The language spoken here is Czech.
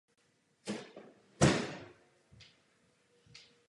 Jedinci přechodné formy tvoří přechod mezi světlou a tmavou formou.